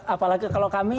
apalagi kalau kami itu